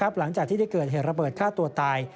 หลังจากที่ได้เกิดเหตุระเบิดฆ่าตัวตาย